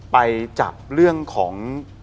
ไปจับเรื่องของ